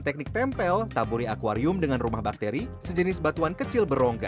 teknik tempel taburi akwarium dengan rumah bakteri sejenis batuan kecil berongga